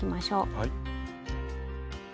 はい。